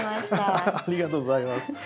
ありがとうございます。